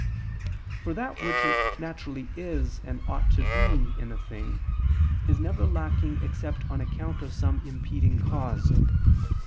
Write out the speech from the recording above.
For that which naturally is and ought to be in a thing, is never lacking except on account of some impeding cause.